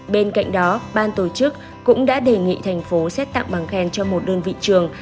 bên cạnh đó ban tổ chức cũng đã đề nghị thành phố xét tặng bằng khen cho một đơn vị trường